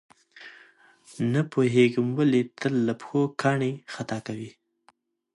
نه پوهېږم ولې تل له پښو کاڼي خطا کوي.